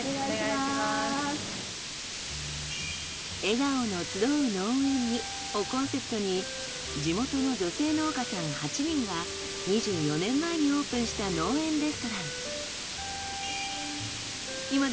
笑顔の集う農園にをコンセプトに地元の女性農家さん８人が２４年前にオープンした農園レストラン。